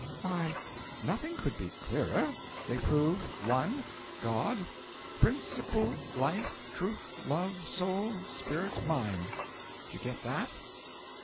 'Why, nothing could be clearer. They prove: 1. GOD Principle, Life, Truth, Love, Soul, Spirit, Mind. Do you get that?'